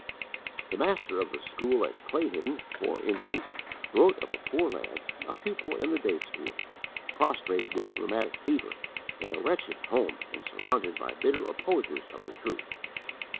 The master of the school at Clayhidon, for instance, wrote of a poor lad, a pupil in the day school, prostrate with rheumatic fever, in a wretched home and surrounded by bitter opposers of the truth.